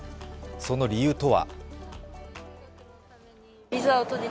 その理由とは？